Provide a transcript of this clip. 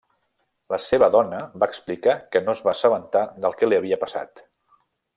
La seva dona va explicar que no es va assabentar del que li havia passat.